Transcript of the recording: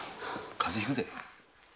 風邪ひくぜ。